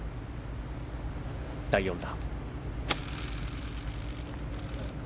第４打。